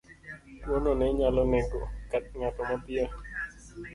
Tuwono ne nyalo nego ng'ato mapiyo.